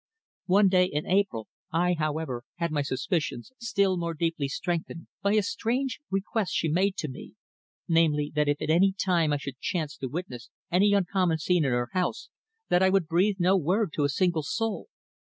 One day, in April, I, however, had my suspicions still more deeply strengthened by a strange request she made to me, namely, that if at any time I should chance to witness any uncommon scene in her house, that I would breathe no word to a single soul.